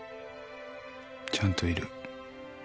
ちゃんといる